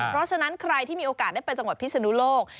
เพราะฉะนั้นใครที่มีโอกาสได้ไปจังหวัดพิศนุโลก